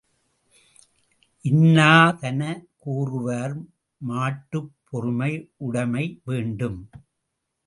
இன்னாதன கூறுவார் மாட்டுப் பொறையுடைமை வேண்டும்.